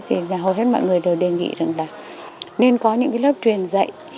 thì hầu hết mọi người đều đề nghị rằng là nên có những cái lớp truyền dạy